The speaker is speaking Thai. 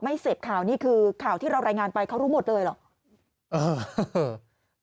เสพข่าวนี่คือข่าวที่เรารายงานไปเขารู้หมดเลยเหรอ